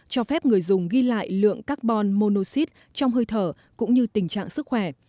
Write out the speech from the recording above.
cho phép người dùng ghi lại lượng carbon monoxide trong hơi thở cũng như tình trạng sức khỏe